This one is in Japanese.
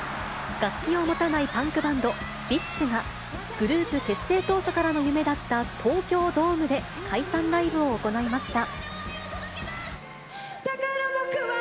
楽器を持たないパンクバンド、ＢｉＳＨが、グループ結成当初からの夢だった東京ドームで解散ライブを行いました。